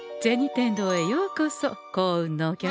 天堂へようこそ幸運のお客様。